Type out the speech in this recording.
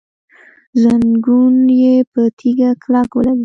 زنګون يې په تيږه کلک ولګېد.